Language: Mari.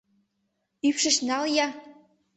Ӱпшыч нал-я!